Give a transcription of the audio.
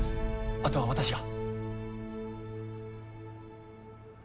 あとは私が。